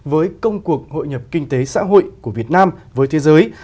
với công cuộc hội nhập kinh tế xã hội của việt nam với thế giới